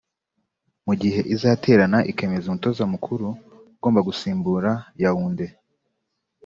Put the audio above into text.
mu gihe izaterana ikemeza umutoza mukuru ugomba gusimbura Yaounde